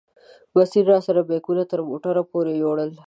بصیر راسره بیکونه تر موټره پورې یوړل.